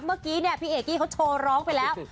เมื่อกี้เนี่ยพี่เอกกี้เขาโชว์ร้องไปแล้ว